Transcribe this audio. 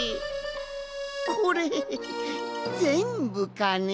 これぜんぶかね？